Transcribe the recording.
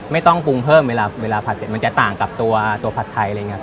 ไม่ต้องปรุงเพิ่มเวลาเวลาผัดเสร็จมันจะต่างกับตัวผัดไทยอะไรอย่างนี้